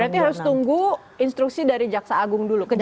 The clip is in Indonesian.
berarti harus tunggu instruksi dari jaksa agung dulu